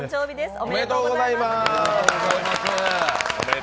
おめでとうございます！